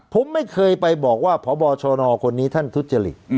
ผมไม่เคยไปบอกว่าพบชนคนนี้ท่านทุจริต